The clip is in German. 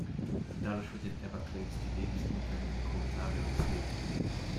Dadurch wird den Everglades die lebensnotwendige Grundlage entzogen.